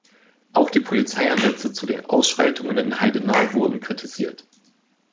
Auch die Polizeieinsätze zu den Ausschreitungen in Heidenau wurden kritisiert.